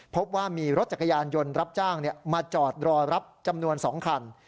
พบว่ามีรถจักรยานยนต์รับจ้างมาจอดรอรับจำนวน๒คัน